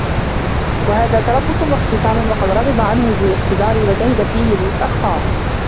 وَهَذَا تَرَبُّصٌ وَاخْتِصَارٌ وَقَدْ رَغِبَ عَنْهُ ذَوُو الِاقْتِدَارِ وَزَهِدَ فِيهِ ذَوُو الْأَخْطَارِ